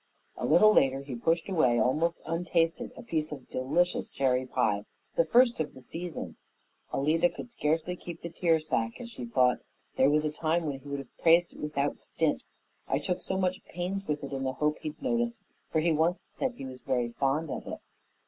A little later he pushed away almost untasted a piece of delicious cherry pie, the first of the season. Alida could scarcely keep the tears back as she thought, "There was a time when he would have praised it without stint. I took so much pains with it in the hope he'd notice, for he once said he was very fond of it."